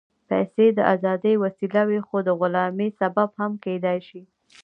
پېسې د ازادۍ وسیله وي، خو د غلامۍ سبب هم کېدای شي.